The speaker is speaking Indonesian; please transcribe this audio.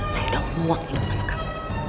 saya udah muak hidup sama kamu